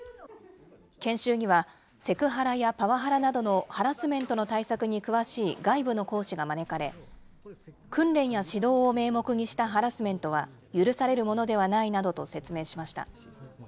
研修には、セクハラやパワハラなどのハラスメントの対策に詳しい外部の講師が招かれ、訓練や指導を名目にしたハラスメントは許されるものではないなどと説明しました。